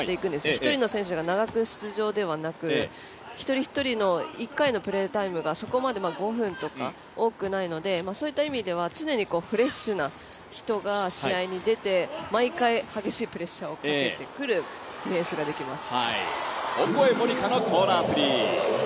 １人の選手が長く出場ではなく一人一人の１回のプレータイムがそこまで、５分とか多くないのでそういった意味では常に、フレッシュな人が試合に出て毎回激しいプレッシャーをかけてくるディフェンスができます。